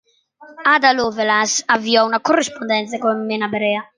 Ada Lovelace avviò una corrispondenza con Menabrea.